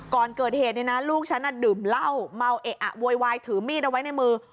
ก่อนเกิดเหตุเนี่ยนะลูกฉันดื่มเหล้าเมาเอะอะโวยวายถือมีดเอาไว้ในมือ